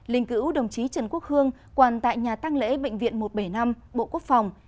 linh cữu đồng chí trần quốc hương quàn tại nhà tăng lễ bệnh viện một trăm bảy mươi năm bộ quốc phòng